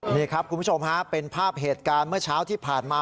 นี่ครับคุณผู้ชมฮะเป็นภาพเหตุการณ์เมื่อเช้าที่ผ่านมา